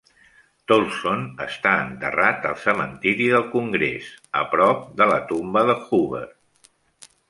Tolson està enterrat al cementeri del Congrés, a prop de la tomba de Hoover.